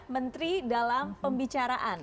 menteri dalam pembicaraan